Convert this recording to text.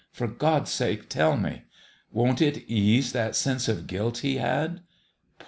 For God's sake, tell me ! Won't it ease that sense of guilt he had ?